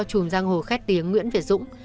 chùm giang hồ khét tiếng nguyễn việt dũng